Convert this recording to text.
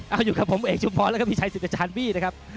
เอาอยู่กับผมเอกชุมพรแล้วก็พี่ชัยสิทธิอาจารย์บี้นะครับ